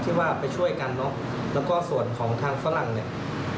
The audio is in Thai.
ที่ว่าไปช่วยกันเนอะแล้วก็ส่วนของทางฝรั่งเนี่ย